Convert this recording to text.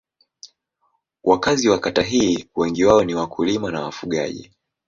Wakazi wa kata hii wengi wao ni wakulima na wafugaji.